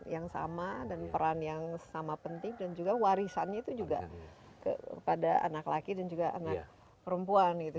yang sama dan peran yang sama penting dan juga warisannya itu juga kepada anak laki dan juga anak perempuan gitu